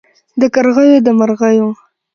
د کرغیو د مرغیو